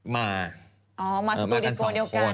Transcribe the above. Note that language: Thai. มาสตูดิโอเดียวกัน